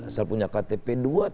asal punya ktp dua triliun lagi